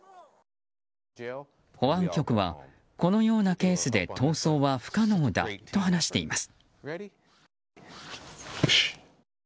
保安局は、このようなケースで逃走は不可能だと話しています。